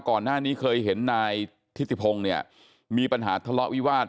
ก่อนหน้านี้เคยเห็นนายทิติพงศ์เนี่ยมีปัญหาทะเลาะวิวาส